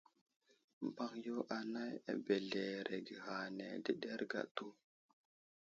Mbaŋ yo anay abəzləreege ghay áne adəɗerge atu.